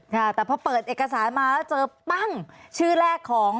ค่ะแต่พอเปิดเอกสารมาเจอบ้านชื่อแรกของ